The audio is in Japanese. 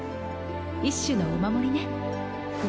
一種のお守りね。